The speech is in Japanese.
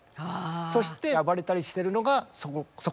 そして暴れたりしてるのがそこで。